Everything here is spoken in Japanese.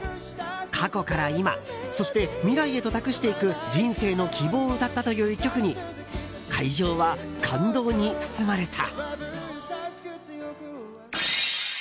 過去から今そして未来へと託していく人生の希望を歌ったという１曲に会場は感動に包まれた。